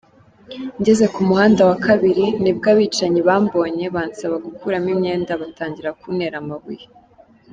Ngeze ku muhanda wa kabiri nibwo abicanyi bambonye bansaba gukuramo imyenda batangira kuntera amabuye.